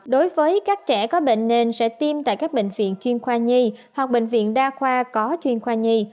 đối với các trẻ có bệnh nền sẽ tiêm tại các bệnh viện chuyên khoa nhi hoặc bệnh viện đa khoa có chuyên khoa nhi